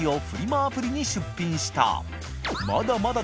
アプリに出品した緑川）